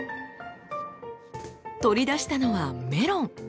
取り出したのはメロン。